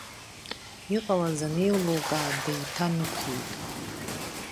Иҟалаз анеилылкаа, деиҭанықәиеит.